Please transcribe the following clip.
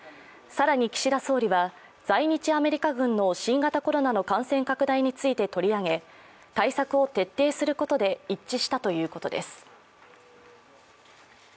更に岸田総理は、在日アメリカ軍の新型コロナの感染拡大について取り上げ、対策を徹底することで一致したということです。